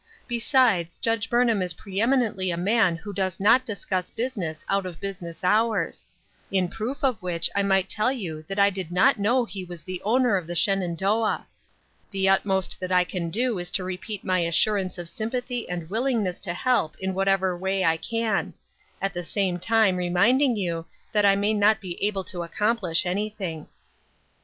Besides, Judge Burnham is pre eminently a man who does not discuss business out of business hours ; in proof of which I might tell you that I did not know he was the owner of the Shenandoah. The utmost that I can do is to repeat my assurance of sympathy and willingness to help in whatever way I can ; at the same time reminding you that I may not be able to accomplish anything."